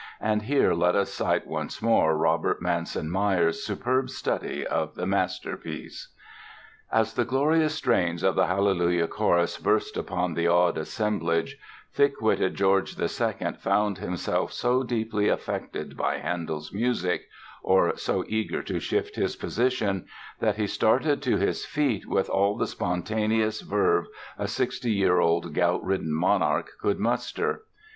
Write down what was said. And here let us cite once more Robert Manson Myers' superb study of the masterpiece: "As the glorious strains of the 'Hallelujah Chorus' burst upon the awed assemblage, thick witted George II found himself so deeply affected by Handel's music (or so eager to shift his position) that he started to his feet with all the spontaneous verve a sixty year old gout ridden monarch could muster.